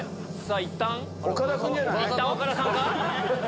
いったん岡田さんか？